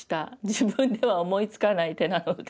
自分では思いつかない手なので。